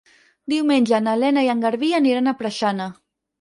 Diumenge na Lena i en Garbí aniran a Preixana.